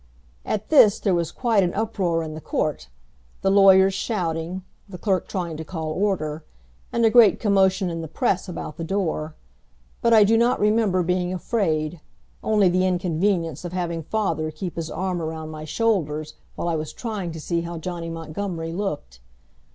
At this there was quite an uproar in the court, the lawyers shouting, the clerk trying to call order, and a great commotion in the press about the door. But I do not remember being afraid, only the inconvenience of having father keep his arm around my shoulders while I was trying to see how Johnny Montgomery looked.